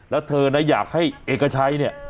แล้วเธอนะอยากให้เอกชัยเนี่ย